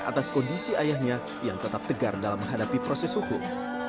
atas kondisi ayahnya yang tetap tegar dalam menghadapi proses hukum